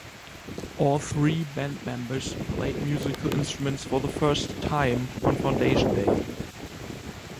All three band members played musical instruments for the first time on foundation day.